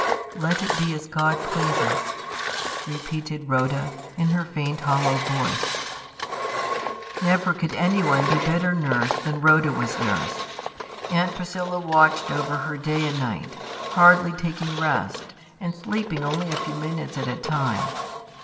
'" "Let it be as God pleases!" repeated Rhoda, in her faint, hollow voice. Never could anyone be better nursed than Rhoda was nursed. Aunt Priscilla watched over her day and night, hardly taking rest, and sleeping only a few minutes at a time.